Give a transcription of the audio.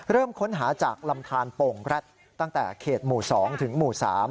ค้นหาจากลำทานโป่งแร็ดตั้งแต่เขตหมู่๒ถึงหมู่๓